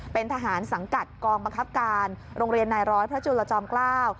เป็นทหารสังกัดกองบังคับการโรงเรียนนายร้อยพระจุลจอมเกล้า